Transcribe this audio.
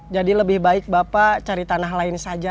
jadi lebih baik bapak cari tanah lain saja